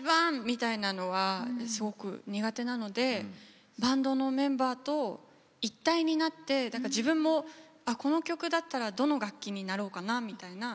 みたいなのはすごく苦手なのでバンドのメンバーと一体になってだから自分もこの曲だったらどの楽器になろうかなみたいな。